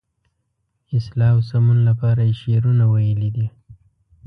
اصلاح او سمون لپاره یې شعرونه ویلي دي.